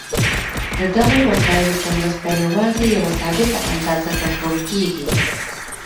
د دغو وسایلو په مرسته یوازې یوه ثابته اندازه کنټرول کېږي.